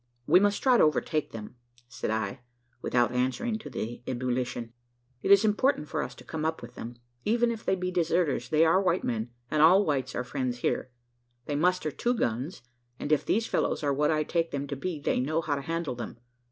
"We must try to overtake them," said I, without answering to the ebullition. "It is important for us to come up with them. Even if they be deserters, they are white men; and all whites are friends here. They muster two guns; and if these fellows are what I take them to be, they know how to handle them.